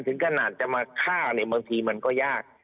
ถึงขนาดจะมาฆ่าเนี่ยบางทีมันก็ยาก